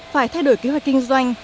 phải thay đổi kế hoạch kinh doanh